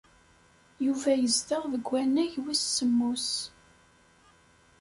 Yuba yezdeɣ deg wannag wis semmus.